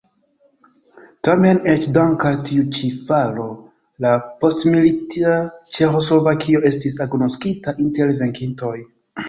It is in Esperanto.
Tamen eĉ dank' al tiu ĉi faro la postmilita Ĉeĥoslovakio estis agnoskita inter venkintoj.